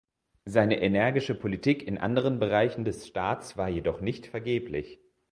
Seine energische Politik in anderen Bereichen des Staats war jedoch nicht vergeblich.